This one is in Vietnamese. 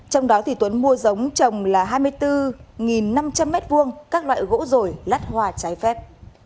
trong đó tuấn mua giống trồng là hai mươi bốn năm trăm linh m hai các loại gỗ rồi lát hoa trái phép